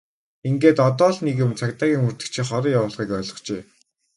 Ингээд одоо л нэг юм цагдаагийн мөрдөгчийн хорон явуулгыг ойлгожээ!